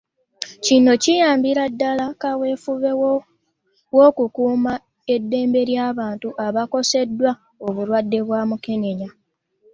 Kino kiyambira ddala mu kaweefube w’okukuuma eddembe ly’abantu abakoseddwa obulwadde bwa mukenenya.